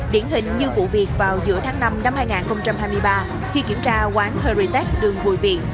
điển hình như vụ việc vào giữa tháng năm năm hai nghìn hai mươi ba khi kiểm tra quán heritage đường bùi viện